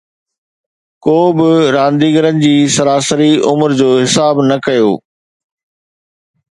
ڪو به رانديگرن جي سراسري عمر جو حساب نه ڪيو